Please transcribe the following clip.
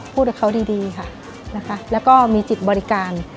พูดกับเขาดีค่ะนะคะแล้วก็มีจิตบริการ